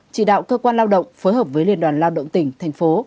chỉ đạo cơ quan lao động phối hợp với liên đoàn lao động tỉnh thành phố